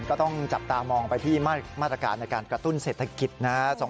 ก็ต้องจับตามองไปที่มาตรการในการกระตุ้นเศรษฐกิจนะครับ